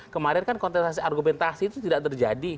kemarin kan kontestasi argumentasi itu tidak terjadi